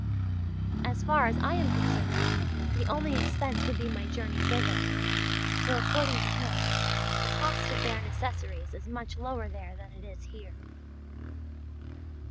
As far as I am concerned the only expense would be my journey thither; for, according to him, the cost of bare necessaries is much lower there than it is here.